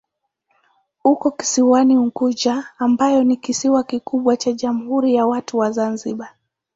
Uko kisiwani Unguja ambayo ni kisiwa kikubwa cha Jamhuri ya Watu wa Zanzibar.